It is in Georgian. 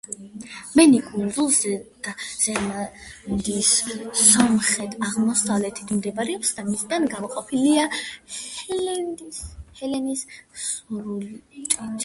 მენი კუნძულ ზელანდიის სამხრეთ-აღმოსავლეთით მდებარეობს და მისგან გამოყოფილია ჰელენის სრუტით.